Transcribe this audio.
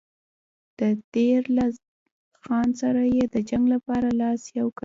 د دیر له خان سره یې د جنګ لپاره لاس یو کړ.